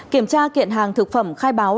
kiểm tra kiện hàng thực phẩm khai báo